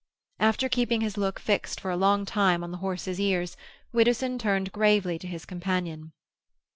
After keeping his look fixed for a long time on the horse's ears, Widdowson turned gravely to his companion.